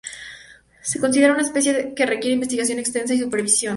Se considera una especie que requiere investigación extensa y supervisión.